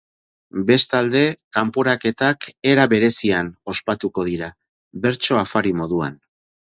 Bestalde, kanporaketak era berezian ospatuko dira, bertso-afari moduan.